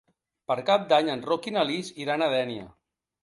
Per Cap d'Any en Roc i na Lis iran a Dénia.